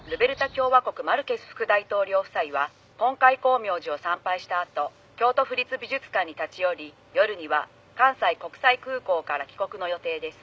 共和国マルケス副大統領夫妻は金戒光明寺を参拝したあと京都府立美術館に立ち寄り夜には関西国際空港から帰国の予定です」